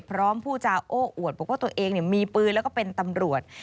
ผู้จาโอ้อวดบอกว่าตัวเองมีปืนแล้วก็เป็นตำรวจ